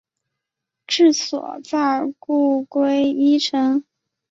治所在故归依城。